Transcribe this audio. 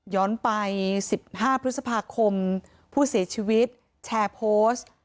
ไป๑๕พฤษภาคมผู้เสียชีวิตแชร์โพสต์